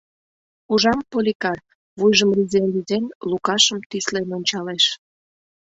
Ужам, Поликар, вуйжым рӱзен-рӱзен, Лукашым тӱслен ончалеш.